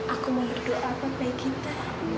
aku mau berdoa apa baik kita